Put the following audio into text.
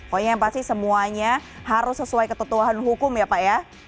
pokoknya yang pasti semuanya harus sesuai ketentuan hukum ya pak ya